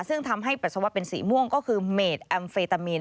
ซึ่งทำให้ปัสสาวะเป็นสีม่วงก็คือเมดแอมเฟตามีน